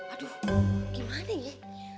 aduh gimana ya